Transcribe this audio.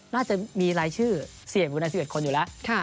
น่าจะมีรายชื่อเสี่ยงอยู่ใน๑๑คนอยู่แล้ว